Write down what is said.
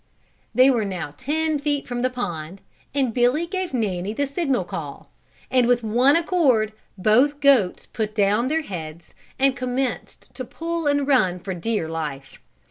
They were now ten feet from the pond and Billy gave Nanny the signal call, and with one accord both goats put down their heads and commenced to pull and run for dear life.